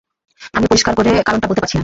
আমিও পরিষ্কার করে কারণটা বলতে পারছি না!